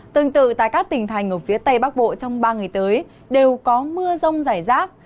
tương tự tại các tỉnh thành ở phía tây bắc bộ trong ba ngày tới đều có mưa rông rải rác